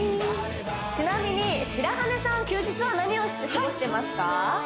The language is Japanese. ちなみに白羽さん休日は何をして過ごしていますか？